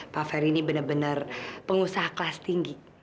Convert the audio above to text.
pak ferry ini bener bener pengusaha kelas tinggi